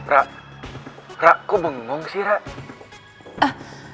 rara kok bengong sih rara